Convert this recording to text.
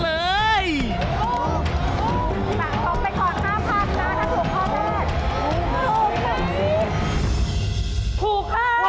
ต่อไปก่อน๕พันนะถูกข้อแรก